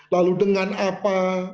lalu dengan apa